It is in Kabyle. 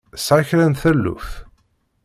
Tesɛa kra n taluft?